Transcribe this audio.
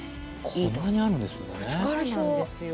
こんなにあるんですね。